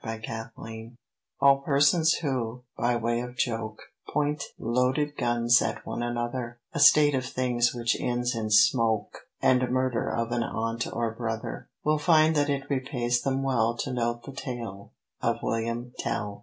William Tell All persons who, by way of joke, Point loaded guns at one another, (A state of things which ends in smoke, And murder of an aunt or brother,) Will find that it repays them well To note the tale of William Tell.